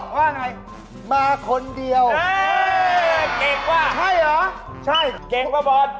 ว่าไงมาคนเดียวเก่งกว่าใช่เหรอใช่เก่งกว่าบอล